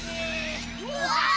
うわ！